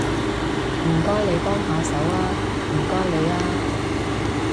唔該你幫下手吖，唔該你吖